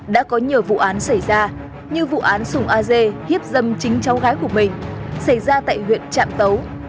đã có nhiều vụ án xảy ra như vụ án sùng a dê hiếp dâm chính cháu gái của mình xảy ra tại huyện trạm tấu